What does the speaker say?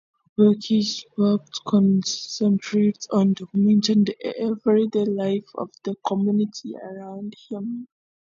Burke's work concentrates on documenting the everyday life of the community around him.